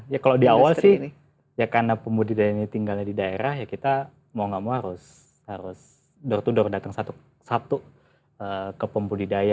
ya kalau di awal sih ya karena pembudidaya ini tinggalnya di daerah ya kita mau gak mau harus harus dor tor datang satu satu ke pembudidaya gitu kan ya